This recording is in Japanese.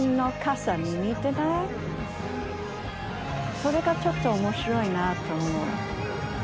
それがちょっと面白いなと思う。